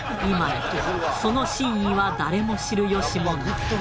今やその真意は誰も知る由もない。